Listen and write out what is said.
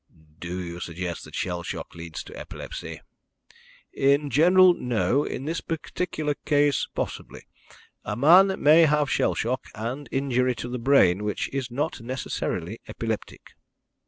"Do you suggest that shell shock leads to epilepsy?" "In general, no; in this particular case, possibly. A man may have shell shock, and injury to the brain, which is not necessarily epileptic."